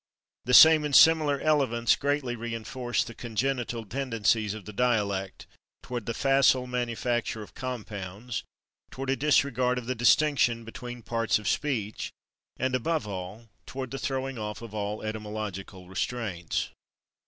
The same and similar elements greatly reinforce the congenital tendencies of the dialect toward the facile manufacture of compounds, toward a disregard of the distinctions between parts of speech, and, above all, toward the throwing off of all etymological restraints.